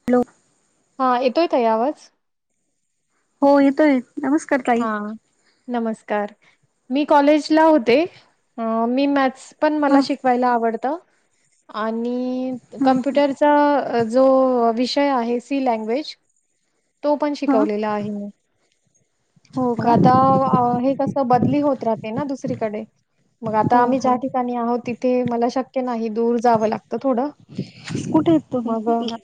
Hello, हा येतोये ताई आवाज? हो येतोय. नमस्कार ताई, हा. नमस्कार मी कॉलेजला होते, मी मॅथ्स पण मला हा शिकवायला आवड त आणि ह काम्प्युटरचा जो विषय आहे सी लँग्वेज तो पण हा शिकवलेला आहे मी. हो मग का आता हे कस बदली होत राहते ना दुसरीकडे मग आता हो आम्ही हो ज्या ठिकाणी आहोत तिथे मला शक्य नाही दूर जावं लागत थोडं. कुठे आहेत मग तुम्ही हो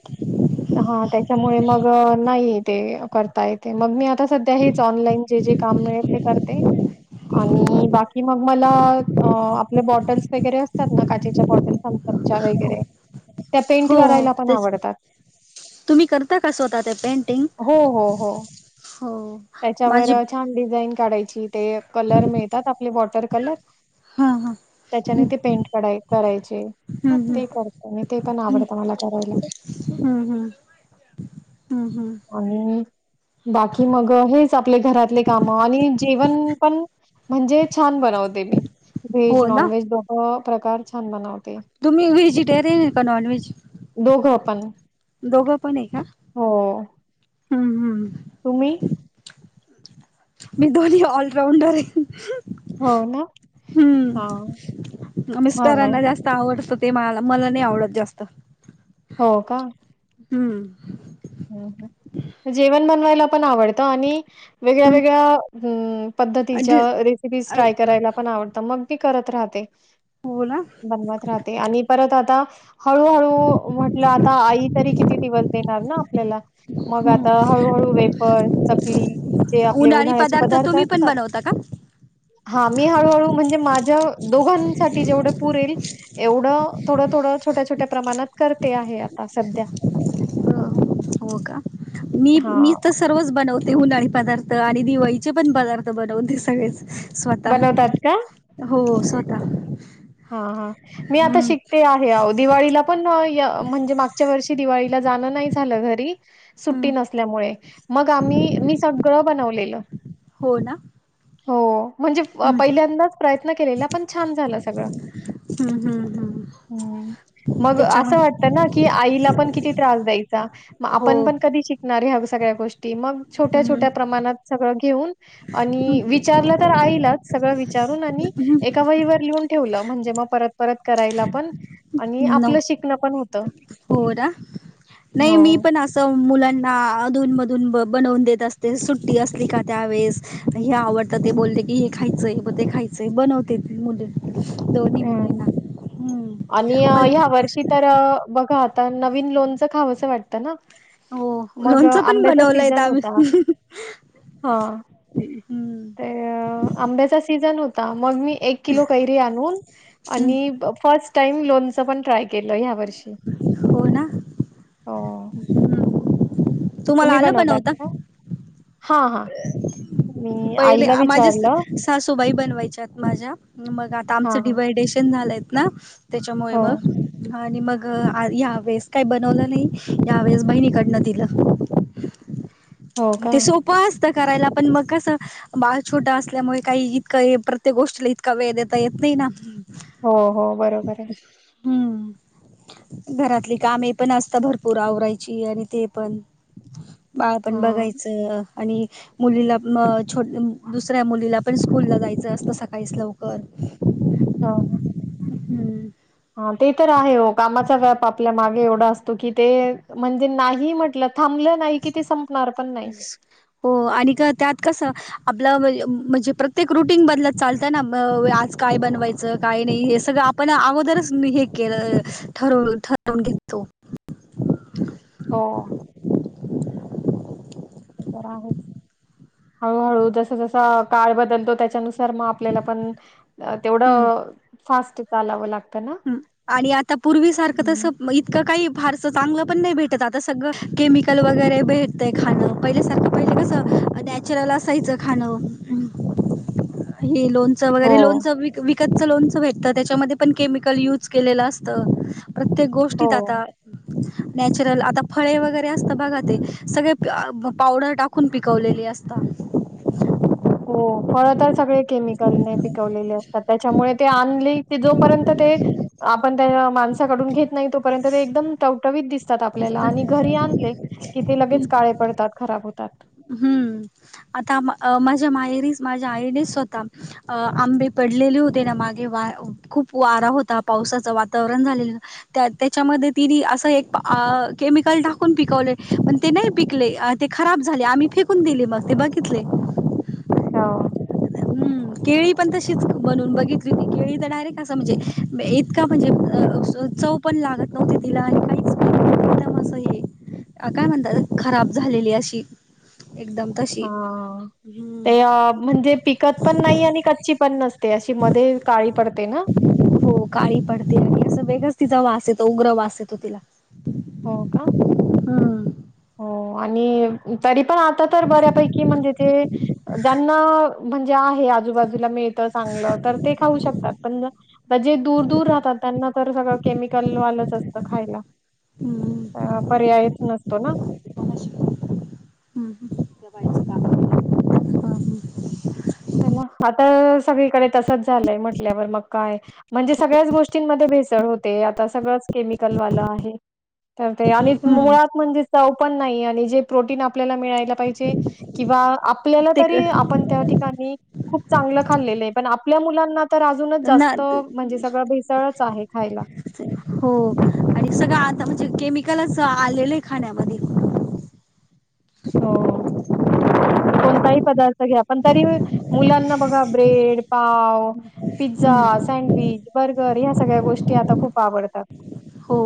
हा. त्याच्यामुळे मग नाही ते करता येते मग मी आता सध्या हेच ऑनलाईन जे जे काम मिळेल ते करते आणि बाकी मग मला आपले बॉटल्स वगैरे असतात ना काचेच्या बॉटल्स थंमसप च्या वगैरे त्या पेंट हो हो करायला पण तेच की आवडतात. तुम्ही करता का स्वतः ते पेंटिंग हो. हो. हो. हो त्याच्यावर माझी छान डिझाईन काढायची ते कलर मिळतात आपली बॉटल तर कलर हा हा त्याच्याने ते पेंट करायचे हम्म हम्म ते करते मी ते पण हम्म आवडत मला करायला. हम्म हम्म हम्म आणि बाकी मग हेच आपले घरातले काम आणि जेवण पण म्हणजे छान बनवते मी व्हेज हो ना नॉनव्हेज दोघं प्रकार छान बनवते. तुम्ही व्हेजिटेरियन का नॉनव्हेजीटरेन दोघं आहे. पण दोघं पण आहे का हो हम. हम तुम्ही मी दोन्हीं ऑलराऊंडर आहे हो ना? हा हम छान आहे. मिस्टरांना जास्त आवडत ते मला नाही आवडत जास्त हो का हम हम. हम जेवण बनवायला पण आवडतं आणि वेगळ्या हम्म वेगळ्या ह पद्धतीच्या रेसिपीज ट्राय करायला पण आवडतं मग ती करत राहते. बोला. बनवत राहते. आणि परत आता हळूहळू म्हटलं आता आई तरी किती दिवस देणार ना आपल्याला मग आता हम्म हळूहळू वेफर चकली जे आपले उन्हाळी उन्हाळ्याचे पदार्थ तुम्ही पण असतात बनवता का? हा मी हळूहळू म्हणजे माझ्या दोघांसाठी जेवढे पुरेल एवढं थोडं थोडं छोट्या छोट्या प्रमाणात करते आहे आता सध्या हो का मी हां, मी त सर्वच बनवते उन्हाळी पदार्थ आणि दिवाळीचे पण पदार्थ बनवनते सगळेच स्वतः बनवतात हो स्वतः ता हो हो मी आता शिकते आहे दिवाळीला पण य म्हणजे मागच्या वर्षी दिवाळी जाण नाही झालं घरी हम्म सुट्टी नसल्यामुळे मग आम्ही मी सगळं बनवलेलं हो ना हो म्हणजे हम्म पहिल्यांदा प्रयत्न केलेला पण छान झालं सगळं हम्म हम्म हम्म ह् मग असं त्याच्यामध्ये वाटतंना आईला पण किती त्रास द्यायचा म हो आपण पण कधी शिकणार ह्या वस्तू सगळ्या गोष्टी ते मग छोट्या हम्म छोट्या प्रमाणात सगळं घेऊन आणि हम्म. विचारलं तर आईलाच सगळ विचारून आणि हम्म एका वहीवर लिहून ठेवलं म्हणजे मग परत परत करायला पण आणि न आपलं शिकणं पण होतं हो ना नाही हो. मी पण असं मुलांना अधून मधून ब बर्फी बनवून देत असते सुट्टी असली का त्यावेेळेस हे आवडत ते बोलते की हे खायचंय ते खायचंय बनवते मुले दोनी मुली ना. हं. हम्म आणि मल ह्या वर्षी तर बघा आता नवीन लोणचं खावं असं वाटतं ना हो मग अ, लोणचं पण आंब्याचा बनवलंय इथ सीझन होता. आम्ही. हां. ते अ, हम्म आंब्याचा सीझन मग मी एक किलो कैरी आणून हम्म आणि फस्ट टाईम लोनच पण ट्राय केलं या वर्षी हो ना हो. हम्म तुम्हाला आलं बनवता? हा हा. पहिले आ माझ्या सासूबाई बनवायच्या माझ्या. मग आता हां आमचं हां डिवायडेशन झालंय ना त्याच्यामुळे हो मग आणि मग या वेळेस काही बनवलं नाही. यावेेळेस बहिणीकडनं दिलं हो का ते सोपं असतात करायला पण मग कसं बाळ छोटं असल्यामुळे काही इतकां प्रत्येक गोष्टीला इतका वेळ देता येत नाही ना हो हो बरोबर आहे. हम्म घरातली कामे पण असत भरपूर आवरायची आणि ते पण बाळ पण हां बघाय आणि मुलीला छोट दुसऱ्या मुलीला पण स्कूलला जायचं असतं, सकाळीच लवकर. हम्म. हा ते तर आहे ओ, कामाचा व्याप आपल्या मागे एवढा असतो की ते म्हणजे नाही म्हटलं थांबलं नाही की ते संपणार पण नाही हो आणि का त्यात कसं आपलं म्हणजे प्रत्येक रुटीन बदलत चालत ना आज काय बनवायचं काय नाही हे सगळं आपण अगोदरच हे केलं ठरव ठरवून घेतो. हो. ते तर आहेच. हळूहळू जस जस काळ बदलतो त्याच्यानुसार तर म आपल्याला पण तेवढ फास्ट चालावं लाग ह आणि आता पूर्वी सारखं तसं इतकं काही फारस चांगलं पण नाही भेटत आता, सगळं केमिकल वगैरे भेटतय खाणं. पहिल्या सारखं पहिले कसं नॅचरल असायचं खाणं. लोनच हो वैगरे लोनचं विकतच लोनचं भे तर त्याच्यामध्ये पण केमिकल युज केलेलं असत. प्रत्येक हो गोष्टीत आता, नॅचरल आता फळे वगैरे असता बघा ते. सगळे पावडर टाकून पिकवलेले असता. हो, फळ तर सगळे केमिकलने पिकवलेले असतात. त्याच्यामुळे, ते आणली की जोपर्यंत ते आपण त्या माणसाकडून घेत नाही तोपर्यंत ते एकदम टव टवीत दिसतं तात आपल्याला आणि घरी आणले की ते लगेच काळे पडतात. खराब होतात. झ्या माहेरी माझ्या आईनेच स्वतः अ आंबे पडलेले होते ना. मागे वा खूप वारा होता पावसाचं वातावरण झालेलं. त्या त्याच्यामध्ये तिने असं एक केमिकल टाकून पिकवले. पण ते नाही पिकले ते खराब झाले. आम्ही फेकून दिले मग, ते बघितले. हो. हं. केळी पण तशीच बनून बघितली होती. केळी तर डायरेक्ट असं म्हणजे बे इतका म्हणजे चव पण लागत नव्हती तिला आणि काहीच एकदम अस हे काय म्हणतात खराब झालेली अशी. एकदम तशी. हा. हं. अ, ते म्हणजे पिकत पण नाही आणि कच्ची पण नसते. ते अशी मध्ये काळी पडते ना. हो काळी पडते आणि असं वेगळंच तिचा वास येतो. उग्र वास येतो तिला. हो का? हां. हो. आणि तरी पण आता तर बऱ्यापैकी म्हणजे ते ज्यांना [unintelligible] जे आहे, आजूबाजूला मिळत चांगला तर ते खाऊ शकतात. पण जे दूर दूर राहतात त्यांना तर सगळं केमिकल वालंच असतं खायला. हम्म अ पर्यायच नस तो ना. हं हं. [unintelligible] चला, आता सगळीकडे तसच झालंय म्हटल्यावर मग काय म्हणजे सगळ्याच गोष्टींमध्ये भेसळ होते. आता सगळंच केमिकलवालं आहे. तर ते आणि हम्म मुळात म्हणजे चव पण नाहीये आणि जे प्रोटीन आप ल्याला मिळायला पाहिजे किंवा आपल्याला ते तरी आपण त्या खूप चांगलं खाल्लेलं आहे, पण आपल्या मुलांना तर अजूनच जास्त म्हणजे सगळं भेसळच आहे खायला हो आणि सगळं आत ता म्हणजे केमिकलच आलेल आहे खाण्यामधी. हो म्हणजे कोणताही पदार्थ घ्या पण तरी मुलांना बघा ब्रेड पाव पिझ्झा हम्म सँडविच बर्गर ह्या सगळ्या गोष्टी आता खूप आवडतात हो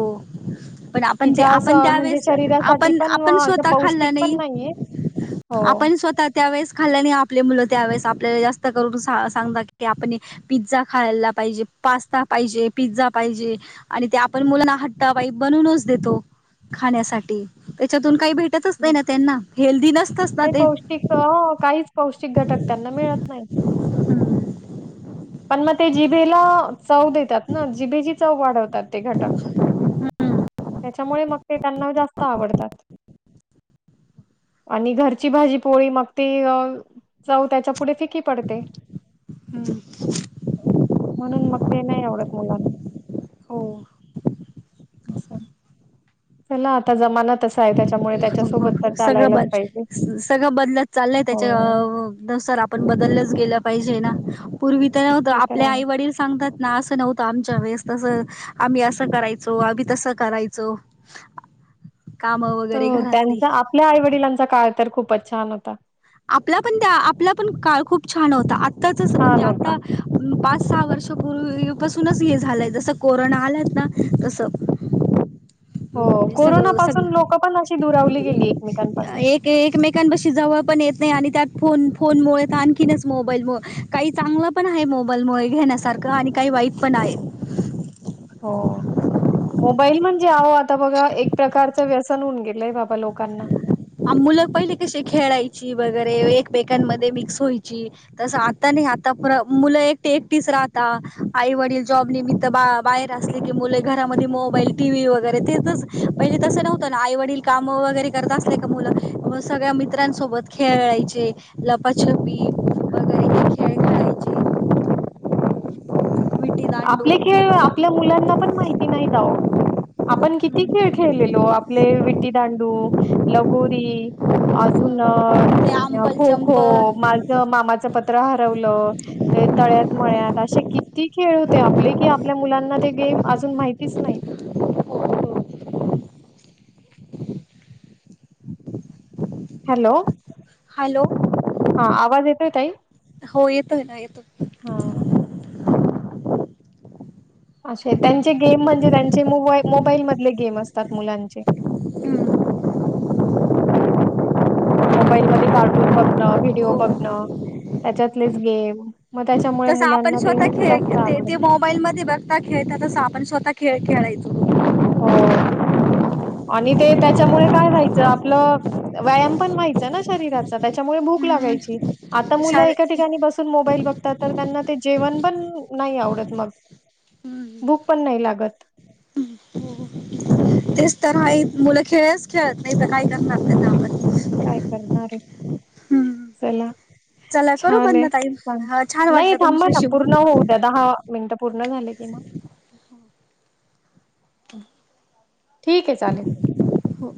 पण की आपण ज्या आपण असं म्हणजे त्यावेळेस शरीरासाठी आपण पण आपण अशा स्वतः खाल् पौष्टिक पण नाहीये हो आपण स्वतः त्यावेेळेस खाल् नाही आप मुलं त्यावेेळेस जास्त करून सांग की आप पिझ्झा खायला पाहिजे पास्ता पाहिजे पिझ्झा पाहिजे आणि ते ण मुलाना ह्टा बाई बनूनच देतो खाण्यासाठी त्याच्यातून काही भेटतच नाही ना त्यांना हेल्दी नसतच ना काही ते पौष्टिक अ काहीच पौष्टिक घटक त्यांना मिळत नाही पण मग ते जिभेला चव देतात ना जिभेची चव वाढवतात ते घटक हम्म. त्याच्यामुळे मग ते त्यांना जास्त आवडतात आणि घरची भाजी पोळी मग ते चऊ त्याच्या पुढे फिकी पडते हम्म. म्हणून मग ते नाही आवडत मुलांना हो चला आता जमाना तसा आहे त्याच्यामुळे त्याच्यासोबत तर सगळं चालायलाच बद पाहिजे सगळं बदलत चाललंय हो त्याच्या नुसार आपण बदललंच गेलं पाहिजे ना [inaudible] पूर्वी तर होत ते तर आपल्या आहे आई वडील सांगतात ना असं नव्हतं आमच्या वेळेस तसं आम्ही असं करायचो आम्ही तसं करायचो कामं वगैरे तर घरातली त्यांचा आपल्या आई वडिलांचा काळ तर खूपच छान होता आपला पण त्या आपला पण काळ खूप छान होता म्हणजे छान होता आता पा सहा वर्ष पूर्वीपसूनच हे झालंय जस कोरोना आलायत ना तस हो सग कोरोना सग पासून लोक पण अशी दुरावली गेली एकमेकांपासून एक एकमेकां बशी जाऊप पण येत नाही आणि त्यात फ फोनमुळे आणखी मोबाईल काही चांगलं पण आहे मोबाईलमुळे घेण्यासारख आणि काही वाईट पण आहे हो मोबाईल म्हणजे आहो आता बघा एक प्रकारचं व्यसन होऊन गेलंय बाबा लोकांना मुलं पहिले कशी खेळायची वगैरे एकमेकांमध्ये मिक्स व्हायची तस आता नाही आता मुलं एकटे एकटीच राहता आई वडील जॉब निमित्त बा बाहेर असले की मुलं घरामध्ये मोबाईल टीव्ही वगैरे तेच पहिले तसं नव्हतं ना आई वडील काम वगैरे करत अस ए मुलं सगळ्या मित्रांसोबत खेळायचे लपाछपी वगैरे खेळ खेळायचे विटी दांडू आपले हे खेळ आपल्या मुलांना ण माहिती नाहीह आपण किती खेळ खेळलेलो आपले विट्टी दांडू लगोरी अजून ते आंबल खो खो चंप माझं मामाचं प त्र हरवलं ते तळ्यात मळत असे किती खेळ होते आपले कि आपल्या मुलांना ते गेम अजून माहितीच नाहीत हॅलो हॅलो हा आवाज येतोय ताई हो येतोय ना येतो होा अे त्यांचे गेम म्हणजे त्यांचे मोबा मोबाईल मधले गेम असतात मुलांचे मोबाईल मध्ये कार्टून बघणं व्हिडिओ हम्म बघणं त्याच्यातलेच गेम मग त्याच्यामुळे तस आपण मुलांना ते स्वतः जास्त खेळ आवडत ते मोबाईल मध्ये बघता खेळतात तसं आपण स्वतः खेळ खेळयचो. हो आणि ते त्याच्यामुळे काय व्हायचं आपलं व्यायाम पण व्हायचं ना शरीराच त्याच्यामुळे भूक हम्म लागायची. आता मुलं शार एका ठिकाणी बसून मोबाईल बघ त्यांना ते जेवण पण नाही आवडत, मग हम्म भूक पण नाही लागत. तेच तर मुलं खेळच खेळत नाही तर काही करत आपल्या काय करणारे, चला चला करू छान बंद आहे ताई हा छान नाही वाटलं थांबा ना तुमच्याशी पूर्ण होऊ द्या, दहा मिनिटं पूर्ण झालं कि ना ठीक आहे चालेल. हो